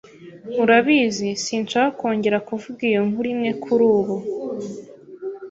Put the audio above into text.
Urabizi, sinshaka kongera kuvuga iyo nkuru imwe kurubu.